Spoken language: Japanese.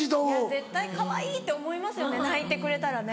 絶対かわいいって思いますよね泣いてくれたらね。